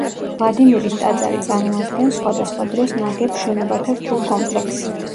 ვლადიმირის ტაძარი წარმოადგენს სხვადასხვა დროს ნაგებ შენობათა რთულ კომპლექსს.